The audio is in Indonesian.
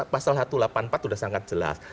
pasal satu ratus delapan puluh empat sudah sangat jelas